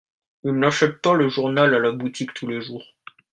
Ils n'achètent pas le journal à la boutique tous les jours